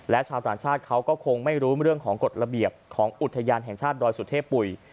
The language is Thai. และชาวต่างชาติเขาก็คงไม่รู้เรื่องของกฎระเบียบของอุทยานแห่งชาติดอยสุเทพปุ๋ย